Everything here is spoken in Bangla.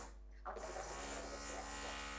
আমার তিনটা পেপার আছে যেখানে নোয়েল হচ্ছে একজন কো-অথর।